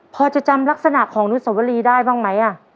พอจะจำลักษณะของอนุสวรีได้บ้างไหม